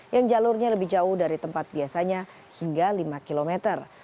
yang jalurnya lebih jauh dari tempat biasanya hingga lima kilometer